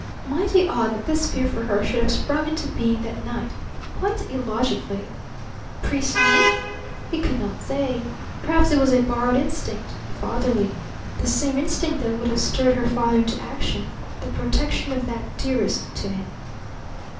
Mighty odd that this fear for her should have sprung into being that night, quite illogically. Prescience? He could not say. Perhaps it was a borrowed instinct fatherly; the same instinct that would have stirred her father into action the protection of that dearest to him.